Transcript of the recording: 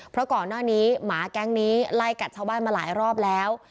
เพราะก่อนหน้านี้หมาแก๊งนี้ไล่กัดชาวบ้านมาหลายรอบแล้ว